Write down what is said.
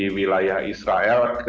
di wilayah israel